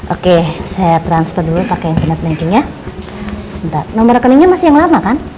oke saya transfer dulu pakai internet bankingnya sebentar nomor rekeningnya masih yang lama kan